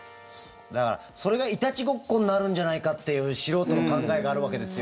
だからそれが、いたちごっこになるんじゃないかっていう素人の考えがあるわけですよ。